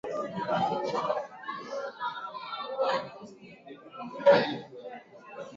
Wenyewe wanakujia vitu vyao